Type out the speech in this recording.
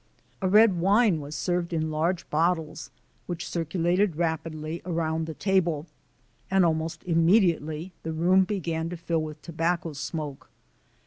A red wine was served in large bottles which circulated rapidly around the table, and almost immediately the room began to fill with tobacco smoke.